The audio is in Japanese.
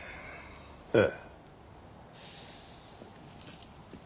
ええ。